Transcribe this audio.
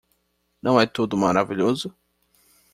Não é tudo maravilhoso?